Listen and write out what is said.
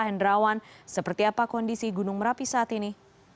hendrawan seperti apa kondisi gunung merapi saat ini